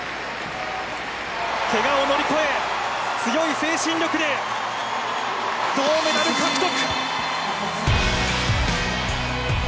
けがを乗り越え強い精神力で銅メダル獲得！